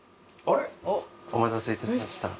お待たせいたしました。